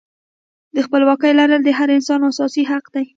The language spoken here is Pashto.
د خپلواکۍ لرل د هر انسان اساسي حق دی.